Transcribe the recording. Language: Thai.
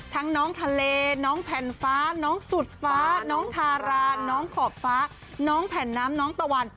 น้องทะเลน้องแผ่นฟ้าน้องสุดฟ้าน้องทาราน้องขอบฟ้าน้องแผ่นน้ำน้องตะวัน